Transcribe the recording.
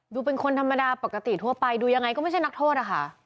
ดูเป็นคนธรรมดาปกติทั่วไปดูยังไงก็ไม่ใช่นักโทษอะค่ะ